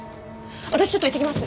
私ちょっと行ってきます！